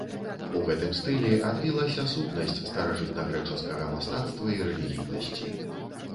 У гэтым стылі адбілася сутнасць старажытнагрэчаскага мастацтва і рэлігійнасці.